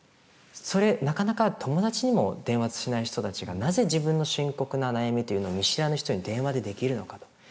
それなかなか友達にも電話しない人たちがなぜ自分の深刻な悩みというのを見知らぬ人に電話でできるのかと。